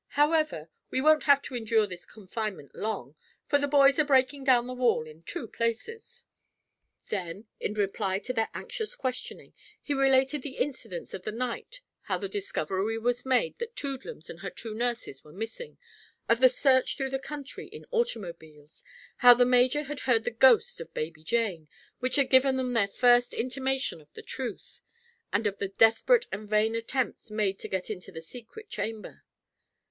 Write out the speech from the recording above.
However, we won't have to endure this confinement long, for the boys are breaking down the wall in two places." Then, in reply to their anxious questioning, he related the incidents of the night: how the discovery was made that Toodlums and her two nurses were missing; of the search throughout the country in automobiles; how the major had heard the "ghost" of baby Jane, which had given them their first intimation of the truth, and of the desperate and vain attempts made to get into the secret chamber.